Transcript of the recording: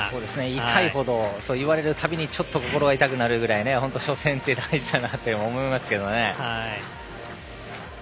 痛いほど、言われるたびにちょっと心が痛くなるくらい本当に初戦って大事だなと思いますけどね。